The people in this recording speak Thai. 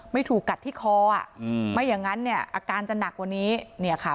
ถูกกัดที่คออ่ะอืมไม่อย่างงั้นเนี่ยอาการจะหนักกว่านี้เนี่ยค่ะ